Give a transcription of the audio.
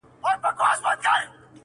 زه چي سهار له خوبه پاڅېږمه_